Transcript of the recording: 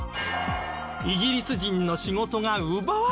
イギリス人の仕事が奪われちゃう。